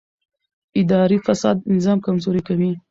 اداري فساد نظام کمزوری کوي